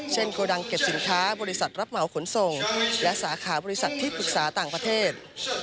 โกดังเก็บสินค้าบริษัทรับเหมาขนส่งและสาขาบริษัทที่ปรึกษาต่างประเทศ